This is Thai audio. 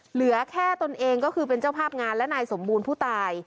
เหลือแค่ตนเองก็คือเป็นเจ้าภาพงานและนายสมบูรณ์ผู้ตาย